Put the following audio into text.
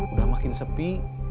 udah makin sepi